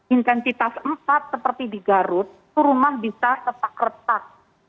intensitas empat seperti di garut itu rumah bisa retak retak